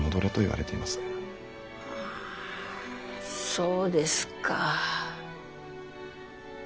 ああそうですか。